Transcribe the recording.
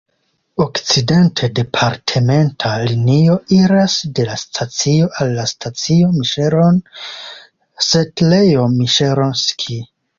Okcidente departementa linio iras de la stacio al la stacio Miŝeron (setlejo Miŝeronski).